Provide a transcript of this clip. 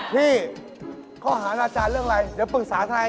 พี่ข้อหานาจารย์เรื่องอะไรเดี๋ยวปรึกษาทนาย